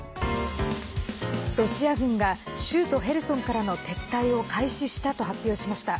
ロシア軍が州都ヘルソンからの撤退を開始したと発表しました。